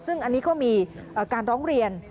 ซึ่งอันนี้ก็มีการร้องเรียน